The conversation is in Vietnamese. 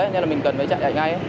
nên là mình cần phải chạy lại ngay